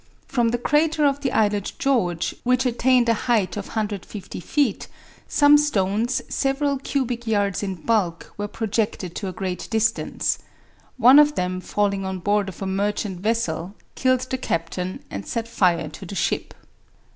From the crater of the islet George, which attained a height of 150 feet, some stones several cubic yards in bulk were projected to a great distance. One of them falling on board of a merchant vessel, killed the captain and set fire to the ship.